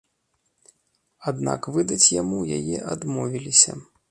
Аднак выдаць яму яе адмовіліся.